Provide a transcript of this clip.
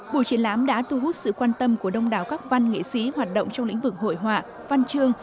buổi triển lãm đã thu hút sự quan tâm của đông đảo các văn nghệ sĩ hoạt động trong lĩnh vực hội họa văn chương